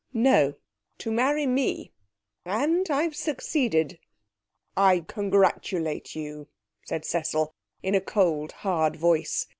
'No. To marry me. And I've succeeded.' 'I congratulate you,' said Cecil, in a cold, hard voice.